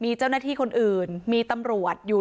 มีเจ้าหน้าที่คนอื่นมีตำรวจอยู่